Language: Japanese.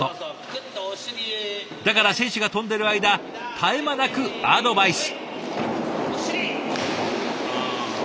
だから選手が飛んでいる間絶え間なくアドバイス。